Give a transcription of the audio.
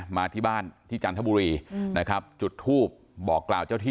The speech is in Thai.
มาที่บ้านที่จันทบุรีนะครับจุดทูบบอกกล่าวเจ้าที่